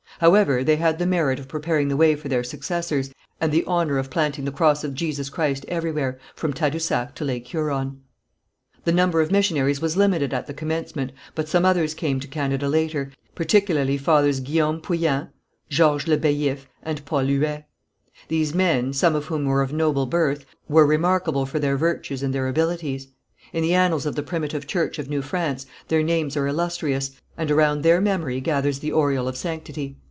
However they had the merit of preparing the way for their successors, and the honour of planting the cross of Jesus Christ everywhere, from Tadousac to Lake Huron. The number of missionaries was limited at the commencement, but some others came to Canada later, particularly Fathers Guillaume Poullain, Georges Le Baillif, and Paul Huet. These men, some of whom were of noble birth, were remarkable for their virtues and their abilities. In the annals of the primitive church of New France, their names are illustrious, and around their memory gathers the aureole of sanctity.